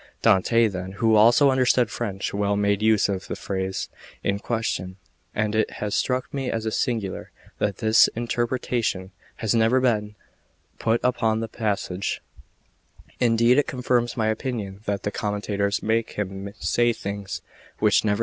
Dante then, who also understood French well, made use of the phrase in question, and it has struck me as singular that this interpretation has never yet been put upon the passage; indeed, it confirms my opinion that the commentators make him say things which never came into his head.